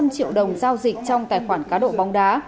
hai trăm linh triệu đồng giao dịch trong tài khoản cá độ bóng đá